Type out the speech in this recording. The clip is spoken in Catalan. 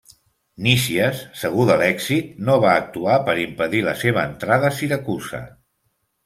Nícies, segur de l'èxit, no va actuar per impedir la seva entrada a Siracusa.